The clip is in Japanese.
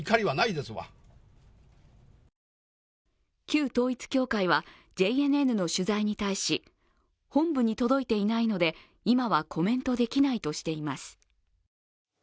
旧統一教会はＪＮＮの取材に対し、本部に届いていないので今はコメントできないとしています。